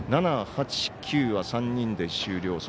７、８、９は３人で終了。